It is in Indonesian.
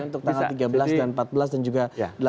untuk tanggal tiga belas dan empat belas dan juga delapan belas